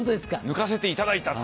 抜かせていただいた。